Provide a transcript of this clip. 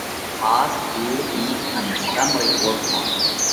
ۿاس ڪُوڙ، ٻِيڪ ان ڀرم رئِي اوۯکوڻ :